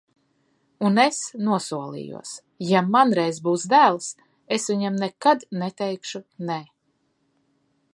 Un es nosolījos: ja man reiz būs dēls, es viņam nekad neteikšu nē.